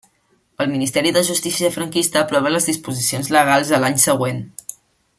El Ministeri de Justícia franquista aprova les disposicions legals a l'any següent.